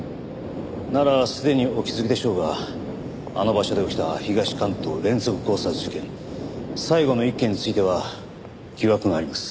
ならすでにお気づきでしょうがあの場所で起きた東関東連続強殺事件最後の１件については疑惑があります。